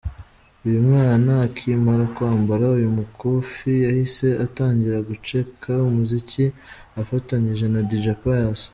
Uyu mwana akimara kwambara uyu mukufi yahise atangira guceka umuziki afatanyije na Dj Pius.